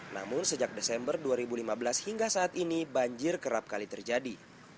namun sejak desember dua ribu lima belas hingga saat ini banjir kerap kali terjadi